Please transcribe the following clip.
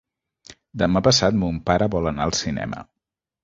Demà passat mon pare vol anar al cinema.